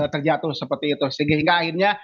terjatuh seperti itu sehingga akhirnya